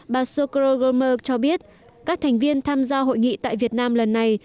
bà socorro gomer cho biết các thành viên tham gia hội nghị tại việt nam lần này